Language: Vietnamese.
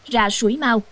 ra suối mau